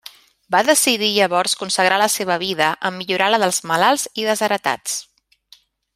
Va decidir llavors consagrar la seva vida a millorar la dels malalts i els desheretats.